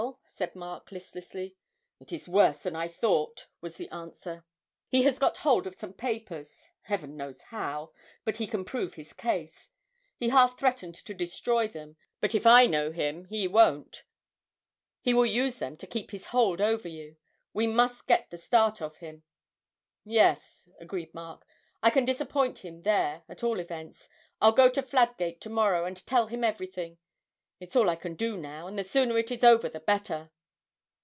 said Mark, listlessly. 'It is worse than I thought,' was the answer; 'he has got hold of some papers Heaven knows how, but he can prove his case. He half threatened to destroy them, but if I know him he won't; he will use them to keep his hold over you we must get the start of him!' 'Yes,' agreed Mark, 'I can disappoint him there, at all events. I'll go to Fladgate to morrow, and tell him everything it's all I can do now, and the sooner it is over the better!'